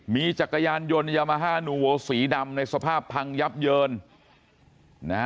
มีจักรยานยนต์ยามาฮานูโวสีดำในสภาพพังยับเยินนะฮะ